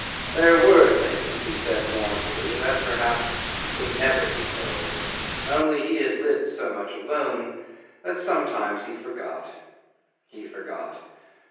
There were things, he said mournfully, that perhaps could never be told, only he had lived so much alone that sometimes he forgot he forgot.